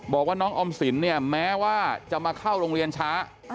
บอกว่าน้องออมสินเนี่ยแม้ว่าจะมาเข้าโรงเรียนช้า